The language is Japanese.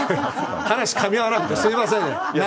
話かみ合わなくてすみませんね。